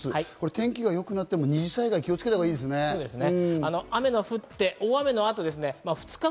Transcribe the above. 天気がよくなっても二次災害気をつけたほうがいいですね。